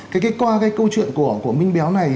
cái câu chuyện của minh béo này